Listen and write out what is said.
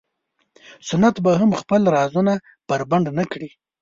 سنت به هم خپل رازونه بربنډ نه کړي.